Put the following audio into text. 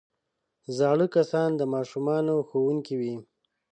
زاړه کسان د ماشومانو ښوونکي وي